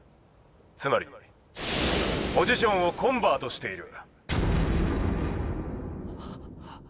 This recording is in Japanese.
つまりポジションをコンバートしている」。